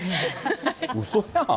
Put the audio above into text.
うそやん。